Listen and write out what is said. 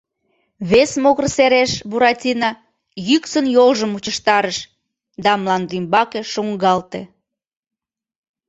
Вес могыр сереш Буратино йӱксын йолжым мучыштарыш да мландӱмбаке шуҥгалте.